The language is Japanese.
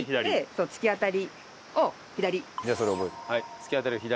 突き当たりを左。